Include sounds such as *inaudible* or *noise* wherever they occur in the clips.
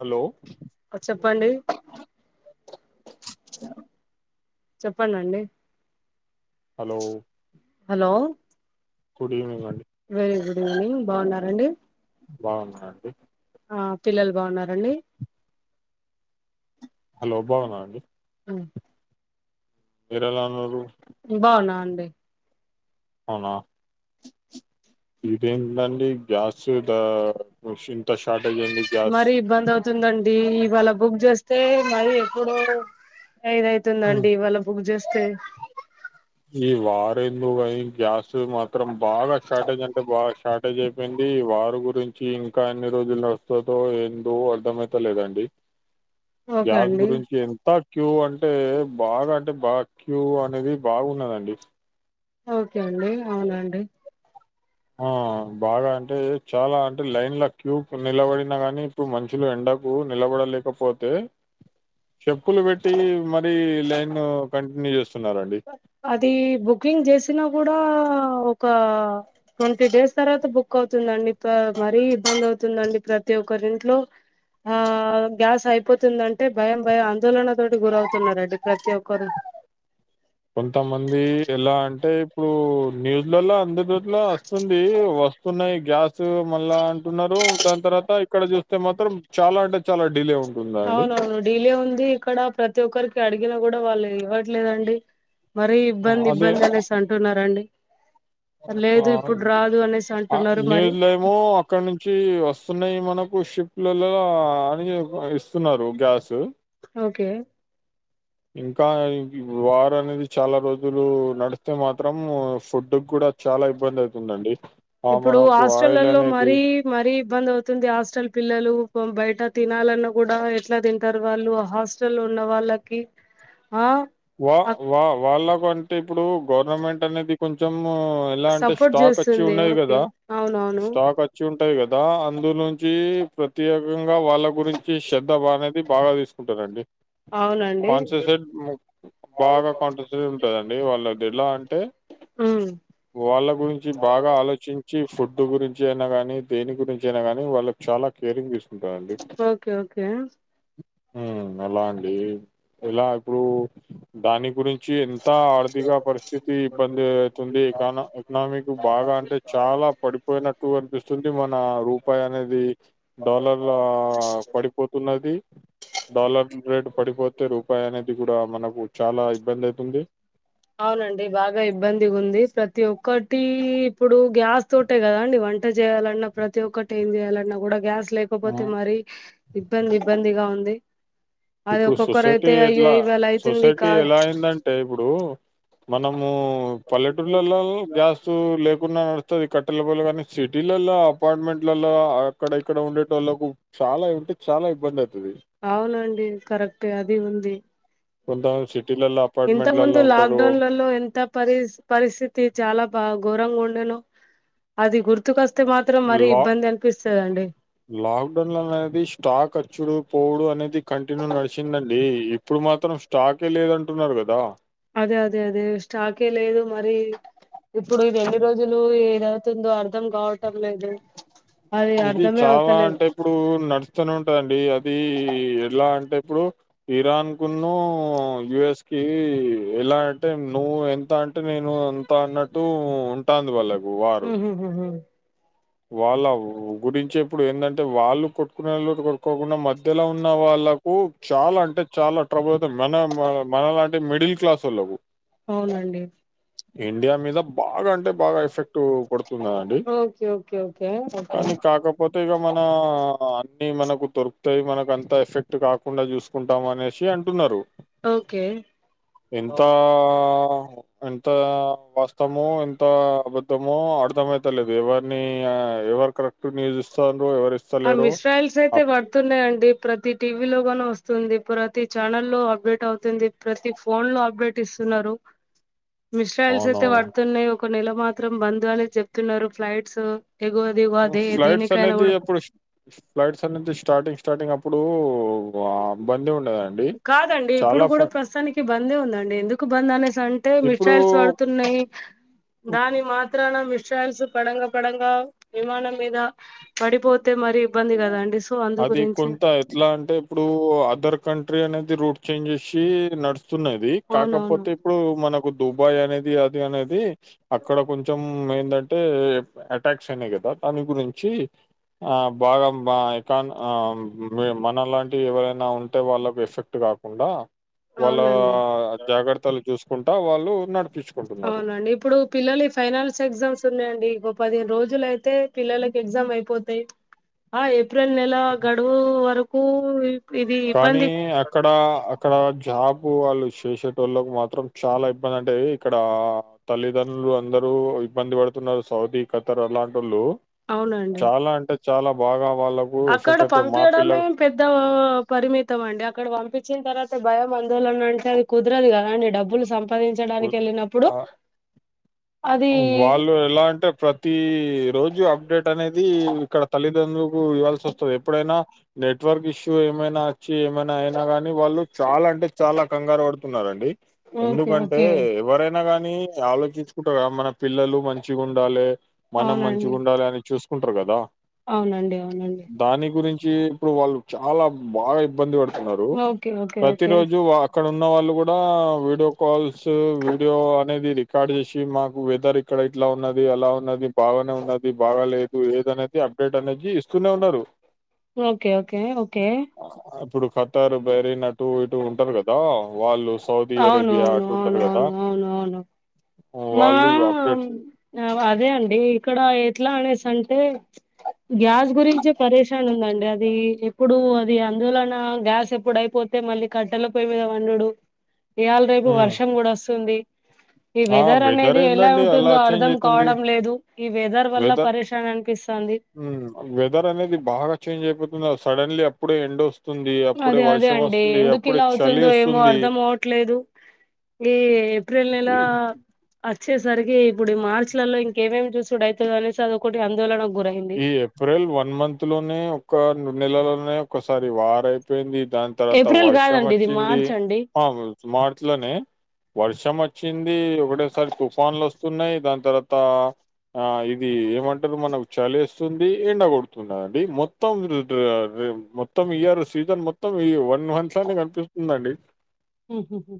Hello చెప్పండి చెప్పండి అండి హలో గుడ్ ఈవినింగ్ అండి వెరీ గుడ్ ఈవెనింగ్ బాగున్నారండి? బాగున్న అండి ఆ పిల్లలు బాగున్నరా అండి హలో బాగున్న అండి మ్ మీరేలా ఉన్నారు. బాగున్న అండి అవునా ఈ టైంలా అండి గ్యాస్ గిట *unintelligible* మరి ఇబ్బంది అవుతుందండి ఇవాళ బుక్ చేస్తే మాది ఎప్పుడో హ్మ్. ఐదవుతుందండి ఇవాళ బుక్ జేస్తె ఏందో గాని గ్యాస్ మాత్రం బాగా షార్టేజ్ అంటే బాగా షార్టేజ్ అయిపోయింది వార్ గురిం చి ఇంకా అన్ని రోజులు నడుస్తతో ఎందో అర్ధంమయితలేదండి ఓకే గ్యాస్ అండి గురించి ఎంత క్యూ అంటే బాగ అంటే బా క్యూ అనేది బాగున్నదండి. ఓకే అండి అవునండి ఆ బాగా అంటే చాలా అంటే లైన్ల క్యూ నిలబడిన గానీ ఇప్పుడు మన్షులు ఎండ కు నిలబడలేకపోతే చెప్పులు పెట్టి మరీ లైన్ కంటిన్యూ చేస్ అదీ బుకింగ్ చేసిన కూడా ఒక ట్వంటీ డేస్ తర్వాత బుక్ అవుతుందండి మరీ ఇబ్బంది అవుతుందండి ప్రతి ఒకరింట్లో ఆ గ్యాస్ అయిపోతుందంటే భయం భయం ఆందోళనతోటి గురవుతున్నరండి ప్రతి ఒక్కరు. కొంతమంది ఎలా అంటే ఇప్పుడు న్యూస్లలో అందరిట్ల వస్తుంది వస్తున్నాయి గ్యాస్ మళ్ళా అంటున్నారు దాని తర్వాత ఇక్కడ చూస్తే మాత్రం చాలా అంటే చాలా డిలే ఉం అవునవును డీలే ఉంది ఇక్కడ ప్రతి ఒక్కరికి అడిగినా కూడా వాళ్ళు ఇవ్వట్లేదండి మరీ ఆ! ఇబ్బంది ఇబ్బంది అనేసి అంటున్నారండి. లేదు ఇప్పుడు రాదు అనేసి ఆఁ అంటున్నారు మరి నీళ్ళేమో అక్కడ నుంచి వస్తున్నాయి మన కు షిప్లలో అని ఇస్తున్నారు గ్యాస్. ఓకే ఇంకా వారు అనేది చాలా రోజులు నడిస్తే మాత్రం ఫుడ్ కూడ చాలా ఇబ్బంది అవుతుందండి ఆ ఇప్పుడు మనకు ఆయిల్ హాస్టళ్లలో అనేది మరీ మరీ ఇబ్బంది అవుతుంది హాస్టల్ పిల్లలు బయట తినాలన్నా కూడా ఎట్లా తింటారు వాళ్ళు హాస్టల్ ఉన్న వాళ్ళకి ఆ వా వా వాళ్ళకు అంటే ఇప్పుడు గవర్నమెంట్ అనేది కొంచెం మో ఎలా అంటే సపోర్ట్ స్టాక్ వచ్చి చేస్తుంది ఉన్నది ఓకే కదా అవునవును స్టాక్ వచ్చి ఉం టది కదా అందు నుంచి ప్రత్యేకంగా వాళ్ళ గురించి శ్రద్ధ అనేది బాగా తీసుకుంటరండి అవున అండి బాగా కొంటసీ ఉంటదండి వాళ్ళకి ఎట్లా అం టే ఉమ్ వాళ్ళ గురించి బాగా ఆలోచించి, ఫుడ్ గురించి అయినా గానీ దేని గురించి అయినా గానీ వాళ్ళకి చాలా కేరింగ్ ఇస్తుం ఓకే ఓకే హ్మ్ అలా అండి ఎలా ఇప్పుడు దాని గురిం వచ్చి ఎంత ఆర్థిక పరిస్థితి ఇబ్బంది అయితుంది కనా ఎకనామిక్ బాగా అంటే చాలా పడిపోయినట్టు కనిపిస్తుంది మన రూపాయి అనేది డాలర్ల పడిపో పోతున్నది డాలర్ రేటు పడిపోతే రూపాయి అనేది కూడా దా మనకు చాలా ఇబ్బంది అయితుంది అవునండి బాగా ఇబ్బంది ఉంది ప్రతి ఒక్కటి ఇప్పుడు గ్యాస్ తోటే కదాండి వంట చేయాలన్నా ప్రతి ఒక్కటి ఏం చేయాలన్నా కూడా గ్యాస్ లేకపోతే మరి ఇబ్బంది ఇబ్బందిగా ఉంది అది ఇప్పుడు ఒక్కొక్కరు సొసైటీ అయితే అయ్యో ఎట్లా ఇవాళ అయితుంది సొసైటీ కా ఎలా అయిందంటే ఇప్పుడు మనము పల్లెటూర్లలో గ్యాస్ లేకున్నా తా కట్టలపోయిల కానీ సిటీలలో అపార్ట్మెంట్లలో అక్కడ ఇక్కడ ఉండేటోళ్లకు చాలా ఇ అంటే చాలా ఇబ్బంది ఐ అవునండి కరెక్ట్ గా అది ఉంది కొంత మంది సిట్ ఇంత ముందు లాక్ డౌన్లో లో ఎంత పరి పరిస్థితి చాలా బా ఘోరంగా ఉం ఉండెను అది గుర్తుకొస్తే మాత్రం మరీ లా ఇబ్బంది అనిపిస్తుందిండి లాక్డౌన్ లా అనేది స్టాక్ వచ్చుడు పోవుడు అనేది కంటిన్యూ నడిసిందండి ఇప్పుడు మాత్రం స్టాకే లేదంటున్నారు కదా అదే అదే అదే స్టాకే లేదు మరి ఇప్పుడు ఇది ఎన్ని రోజులు ఈడ తందో అర్ధం కావటం లేదు అది ఇది అర్ధమే చాలా అవుతలేదు అంటే ఇప్పుడు నడుస్తూనే ఉంటందండి అది ఎలా అంటే ఇప్పుడు ఇరాన్ కున్న యుఎస్ కి ఎలా అంటే నువ్వు ఎంత అంటే నేను ఎంత అన్నట్టు ఉంటాంది వాళ్ళ ఉహు హు హు వాళ్ళ గురించి ఇప్పుడు ఏందంటే వాళ్ళు కొట్టుకునే లో కొట్టుక్కకుండా మధ్యలో ఉన్న వాళ్ళు వాళ్లకు చాలా అంటే చాలా ట్రబుల్ అవుతుంది మన మన లాంటి మిడిల్ క్లాస్ ఓళ్ళలకు అవునండి ఇండియా మీద బాగా అంటే బాగా ఎఫెక్ట్ కొడుతున్నదండి ఓకే ఓకే ఓకే అత్తేగా మన అన్ని మనకు దొరుకుతాయి మనకు అంత ఎఫెక్ట్ కాకుండా చూసుకుంటాం అనేసి అంటున్నారు ఓకే ఎంత ఆ ఎంత వాస్తము ఎంత అబద్ధమో అర్ధమయితలేదు ఎవరి నీ ఎవరు కరెక్ట్ *unintelligible* ఇస్తాలు ఆ మిసైల్స్ అయితే పడుతున్నాయంండి ప్రతి టీవీ లోగానీ వస్తుంది ప్రతి ఛానల్ లో అప్డేట్ అవుతుంది ప్రతి ఫోన్ లో అప్డేట్ ఇస్తున్నారు మిసైల్స్ అయితే అవునవును పడుతున్నాయి ఒక నెల మాత్రం బంద్ అనే చెప్తున్నారు ఫ్లైట్స్ ఎగో అది ఇగో అది ఫ్లైట్స్ దేనికైనా అనేది కూడా అప్పుడు ఫ్లైట్స్ అన్నిది స్టార్టింగ్ స్టార్టింగ్ అప్పుడుఆ బందీ ఉండదండి కదా అండి ఇప్పుడు చాలా కూడా ఫ్ర- ప్రస్తుతానికి బందే ఉందండి ఎందుకు బంద్ అనేసి అంటే ఇప్పుడు మిసైల్స్ పడుతున్నాయి నాయి దాన్ని మాత్రాన మి మిసైల్స్ పడంగా పడంగా విమానం మీద పడిపో అది కొంత ఎట్లా అంటే ఇప్పుడు అదర్ కంట్రీ అనేది రూట్ చేంజ్ చేసి నడుస్తున్నది అవునవును కాకపోతే ఇప్పుడు మనకు దుబాయ్ అనేది అది అనేది అక్కడ కొంచెం ఏంటంటే అటాక్స్ అయినాయి కదా దాని గురించి ఆ బాగా మా ఎకాన్ మనలాంటి ఎవరైనా ఉంటే వాళ్ళకి ఎఫెక్ట్ కాకుండా వాళ్ళ అవునండి జాగ్రత్తలు చూసుకుంటా వాళ్ళు నడుపు అవునండి ఇప్పుడు పిల్లలి ఫైనాల్స్ ఎగ్జామ్స్ ఉన్నాయండి పదిహేను రోజులు అయితే పిల్లలకి ఎగ్జామ్ అయిపోతాయి ఆ ఏ ఏప్రిల్ నెల గడువు వరకు ఇది కానీ ఇబ్బంది అక్కడ ఆ క్కడ జాబు వాళ్ళు చేసేటోళ్ళకు మాత్రం చాలా ఇబ్బంది అంటే ఇక్కడా తల్లిదండ్రు లు అందరూ ఇబ్బంది పడుతున్నరు సౌదీ, ఖతర్ అలాంటోళ్ళు అవునండి చాలా అంటే చాలా బాగా వాళ్ళకు అక్కడ ఎఫెక్ట్ అవుతుంది. మా పిల్ల పంపియ్యడమేం పెద్ద పరిమిత్ మొత్తం అండి అక్కడ పంపించిన్తవాత భయం ఆందోళన అంటే అది కుదరదు గద అండి డబ్బులు సం సంపాదించడానికెళ్ళినప్పుడు ఆ వాళ్ళు ఎలా అంటే ప్రతి రోజు అప్డేట్ టనేది ఇక్కడ తల్లిదండ్రులకు ఇవ్వాల్సి వస్తది, ఎప్పుడైనా నెట్వర్క్ ఇష్యూ ఏమైనా అచ్చి ఏమైనా అయినా గాని వాళ్ళు చాలా అంటే చాలా కంగారు పడుతున్నరండి ఓకే ఎందుకంటే ఓకే ఎవరైనా గాని ఆలోచించు కుంటరు గదా మన పిల్లలు మంచిగుండాలే, మనం అవునండి మంచిగుండాలె అని చూసుకుంటారు గదా అవునండి అవునండి. చీ ఇప్పుడు వాళ్ళు చాలా బాగా ఇబ్బంది బడుతున్నరు ఓకే ఓకే ఓకే ప్రతిరోజు వా అక్కడున్న వాళ్ళు గూడా వీడియో కాల్స్, వీడియో అనేది రికార్డ్ చేసి టి మాకు వెదర్ ఇక్కడ ఇట్లా ఉన్నది, అలా ఉన్నది, బాగానే ఉన్నది, బాగాలేదు ఏదనేది అప్ డేట్ అనేది ఇస్తూనే ఉన్నరు. Okay okay okay Qatar, Bahrain అటూ ఇటూ ఉంటరు గదా వాళ్ళు సౌదీ అవును అరేబియా అవును అటు అవును ఉంటారు కదా అవును అవును అవును. మా వాళ్ళు ఇవి అప్డేట్ అదే అండి ఇక్కడ ఎట్లానేసి అంటే గ్యాస్ గురించే పరేషాన్ ఉందండి అదీ ఎప్పుడు అది అందోళన గ్యాస్ ఎప్పుడయిపోతే మళ్ళీ కట్టేల పోయి మీద వండుడు ఇయాల రేపు హ్మ్. వర్షం గూడ వస్తుంది ఈ ఆ వెదర్ అనేది ఎలా ఏందండి అలా ఉంటుందో చేంజ్ అర్ధం అవుతుంది కావడం లేదు, ఈ వెదర్ వల్ల పరేషాన్ అనిపిస్థాంది ఉమ్, వెదర్ అనేది బాగా చేంజ్ అయిపోతుంది సడన్లీ అప్పుడే ఎండోస్ అదే అదే అండి ఎందుకిలా చలి అవుతుందో ఏమో వస్తుంది అర్ధం అవట్లేదు ఈ ఏప్రిల్ నెలా అచ్చేసరికి ఇప్పుడు మార్చ్ లల్లో ఇంకేమేమ్ చూసుడయితదో అనేసి అదొకటి అందొళన ఈ ఏప్రిల్ వన్ మంత్ లోనే ఒక్క రెండు నెలలోనే ఒకసారి వారయిపోయింది. దాని తర్వాత ఏప్రిల్ వర్షం కాదండి ఇది వచ్చింది, మార్చ్ అండి ఆ మార్చ్ లోనే వర్ష్ షం వచ్చింది ఒకటేసారి తుఫాన్లోస్తున్నయి దాన్తర్వాత ఆ ఇదీ ఏమంటరు మనక్ చలేస్తుంది ఎండ కొడుతున్నదండి మొత్తం ర్ మొత్తం ఇయర్ సీజన్ మొత్తం ఈ వన్ మంత్ అనే కనిపిస్తుందండి ఉమ్ హ్ హ్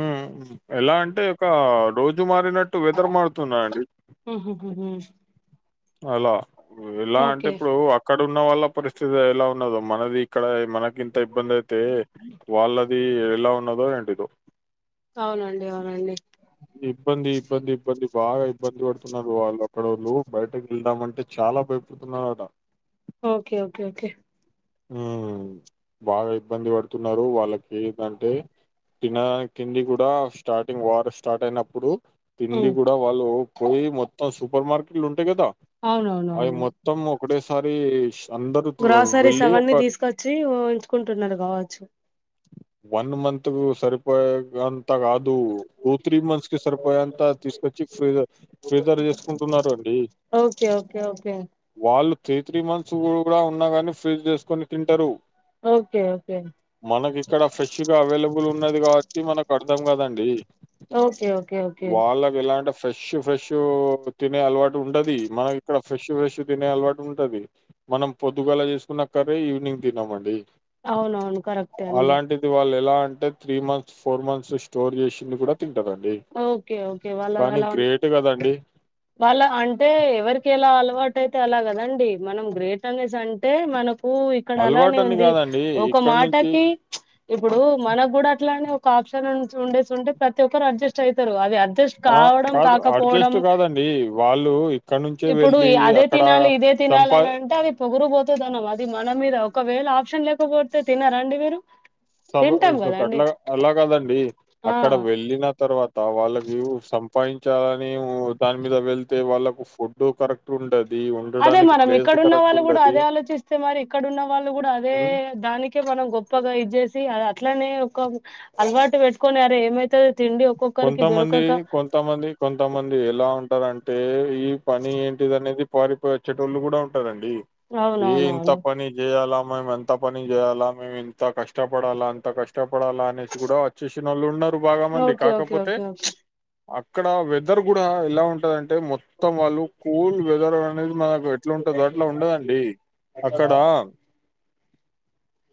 ఉమ్ ఎలా అంటే ఒకా రోజు మారినట్టు వెదర్ మారుతున్నదండి గుడ్ న్యూస్ అలా, ఎలా అంటే ఇప్పుడూ అక్కడున్ ఉన్న వాళ్ళ పరిస్థితి ఎలా ఉన్నదో మనది ఇక్కడ మనక్ గింత ఇబ్బందయితే వాళ్ళది ఎలా ఉన్నోదో ఎంటిదో అవునండి అవునండి ఇబ్బంది ఇబ్బంది ఇబ్బంది బాగా ఇబ్బంది బడుతున్నరు వాళ్ళు అక్కడోళ్ళు బయటకెళ్దామంటే చాలా భయపడుతున్నారట ఓకే ఓకే ఓకే ఉమ్ బాగా ఇబ్బంది పడుతున్నరూ, వాళ్ళకేంటంటే తినా తిండి గూడా స్టార్టింగ్ వార్ స్టార్టయినప్పుడు తిండి హ్మ్. గుడా వాళ్ళు పోయి మొత్తం సూపర్ మార్కెట్లు ఉంటయి గదా అవునవును అవును ఒకటే సారి గ్రాసరీస్ అవన్నీ దీసుకచ్చి వుంచుకుంటున్నడు గావచ్చు వన్ మంత్ కు సరిపోయే అంతా కాదు టూ త్రీ మంత్స్ కి సరిపోయే అంతా తీసుకొచ్చి ఫ్రీజర్ ఫ్రీజర్ చేసుకుంటు న్నారా అండి ఓకే ఓకే ఓకే వాళ్ళు త్రీ త్రీ మంత్స్ కూడా కూడా ఉన్నా గాని ఫ్రీజ్ చేసుకొని తింటారు ఓకే ఓకే మనకి ఇక్కడ ఫ్రెష్ గా అవైలబుల్ ఉన్నది కాబట్టి మనకు అర్ధం కదండి ఓకే ఓకే ఓకే ఓ అంటే ఫ్రెష్ ఫ్రెష్ తినే అలవాటు ఉంటది మనకి ఇక్కడ ఫ్రెష్ ఫ్రెష్ తినే అలవాటు ఉంటది మనం పొద్దుగాలా చేసుకున్న కర్రి ఈవినింగ్ తినమండి అవునవును కరెక్టే అండి అలాంటిది వాళ్ళు ఎలా అంటే three months four months store చేసింది కూడా తింటారండి ఓకే ఓకే వాళ్ళకు కానీ అలా ఉం గ్రేట్ కదండి వాళ్ళ అంటే ఎవరికి ఎలా అలవాటు అయితే అలాగా అదండి మనం గ్రేటర్నెస్ అంటే మనకు ఊ ఇక్కడ అలానే అలవాటని ఉంది కాదండి. ఒక ఇక్కడి నుంచి మాటకి ఇప్పుడు మనకు కూడా అట్లానే ఒక ఆప్షన్ ఉండేసి ఉంటే ప్రతి ఒక్కరు అడ్జెస్ట్ అవుతారు అది అడ్జెస్ట్ ఆ! కావడం కాదు కాకపోవడం అడ్జస్ట్ కాదండి. వాళ్ళు ఇక్కడి నుంచే ఇప్పుడు వెళ్ళి అదే అక్కడ తినాలి ఇదే సంపా తినాలని అంటే అది పొగురు పోతు తనం అది మన మీద ఒకవేళ ఆ క్షన్ లేకపోతే తిన్నారా అండి మీరు తింటాం సభకు కదండి అట్లా అలాగదండి ఆ అక్కడ వెళ్ళిన తర్వాత వాళ్ళకి సంపాదించాలని దాని మీద వెళ్తే వాళ్ళకు ఫుడ్ కరెక్ట్ ఉండది అదే ఉండడానికి మనం ప్లేస్ ఇక్కడన్న కరెక్ట్ వాళ్ళు కూడా ఉండది. అదే ఆలోచిస్తే మరి ఇక్కడున్న వాళ్ళు కూడా అదే హ్మ్. దానికే మనం గొప్పగా ఇదిచ్చేసి అది అట్లనే ఒక అలవాటు పెట్టుకొని అరే ఏమైతది తిండి ఒక్కొక్కరికి కొంతమంది దొరకక కొంతమంది కొంతమంది ఎలా ఉంటారంటే ఇ పని ఏంటిది అనేది పారిపోచ్చేటోళ్ళు కూడా ఉంటారండి ఏ ఇంత అవునవునవును పని చేయాల మేము ఎంత పని చేయాలా మేము ఎంత కష్టపడాలా అంత కష్టపడాలా అనేసి కూడా వచ్చేసిన వాళ్ళు ఉన్నారు తు భాగమండి ఓకే ఓకే ఓకే ఓకే అక్కడ వెదర్ కూడా ఎలా ఉంటుందంటే మొత్తం వాళ్ళు కూల్ వెదర్ అనేది మన ఎట్లా ఉంటదో దోట్లో ఉండదండి అక్కడ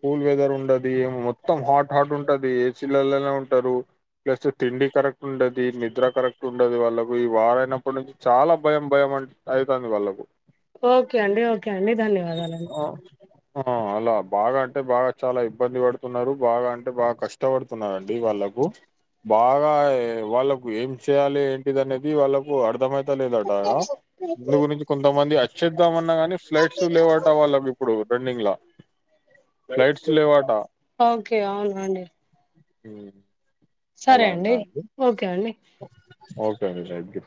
కూల్ వెదర్ ఉండది మొత్తం హాట్ హాట్ ఉంటది ఏసీలలోనే ఉంటారు ప్లస్ తిండి కరెక్ట్ ఉండది నిద్ర కరెక్ట్ ఉండదు వాళ్ళకు ఈ వారయినప్పటి నుంచి చాలా భయం భయం అంట ఐకాన్ వాళ్ళకు ఓకే అండి ఓకే అండి ధన్యవాదాలండి ఆ, ఆ అలా బాగా అంటే బాగా చాలా ఇబ్బంది పడుతున్నారు బాగా అంటే బాగా కష్టపడుతున్నండి వాళ్ళ కు బాగా వాళ్ళకు ఏం చేయాలి ఏంటిది అనేది వాళ్ళకు అర్థమయి తనేది ఏటయా ముందు గురించి కొంతమంది వచ్చేద్దామన్నా గాని ఫ్లట్స్ లేవంటా వాళ్ళ ఇప్పుడు రన్నింగ్ లా ఓకే అవును అండి హమ్ సరే అండి ఓకే అండి ఓకే అండి థ్యాంక్యా